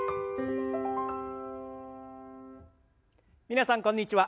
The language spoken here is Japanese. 皆さんこんにちは。